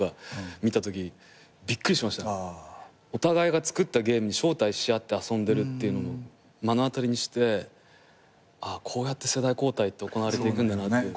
お互いが作ったゲーム招待し合って遊んでるっていうのを目の当たりにしてこうやって世代交代って行われていくんだなって。